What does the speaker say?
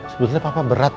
sebenernya pak berat